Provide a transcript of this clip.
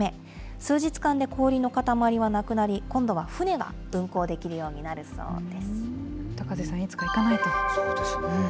数日間で氷の塊はなくなり、今度は船が運航できるようになるそう高瀬さん、いつか行かないと。